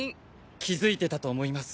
気づいてたと思います。